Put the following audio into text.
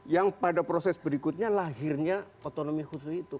yang pada proses berikutnya lahirnya otonomi khusus itu